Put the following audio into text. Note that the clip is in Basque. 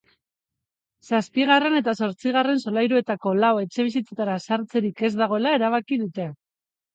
Zazpigarren eta zortzigarren solairuetako lau etxebizitzatara sartzerik ez dagoela erabaki dute.